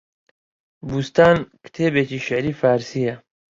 بووستان، کتێبێکی شێعری فارسییە